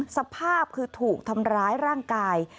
สภาพคือถูกทำร้ายร่างกาย